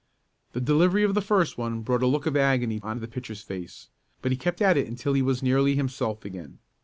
The delivery of the first one brought a look of agony on the pitcher's face, but he kept at it until he was nearly himself again.